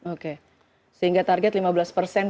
oke sehingga target